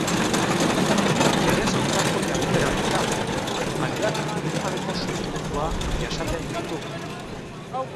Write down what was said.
Legez kontrako jarduera bat da, animaliak bidegabeko sufrimendua jasaten baitu.